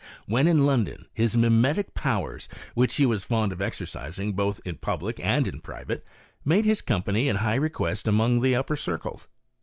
When in London, his mimetic powers, which he was fond of exercising both in public and in private, made his company in high request among the upper circles.